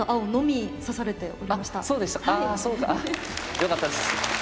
よかったです。